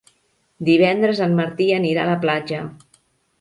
Divendres en Martí anirà a la platja.